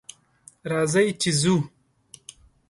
راځئ چې ځو